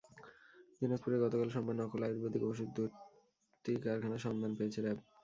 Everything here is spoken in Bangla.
দিনাজপুরে গতকাল সোমবার নকল আয়ুর্বেদিক ওষুধ তৈরির দুটি কারখানার সন্ধান পেয়েছে র্যাব।